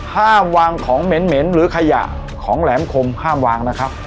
ห้ามวางของเหม็นหรือขยะของแหลมคมห้ามวางนะครับ